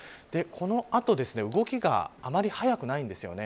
この後、動きがあまり速くないんですよね。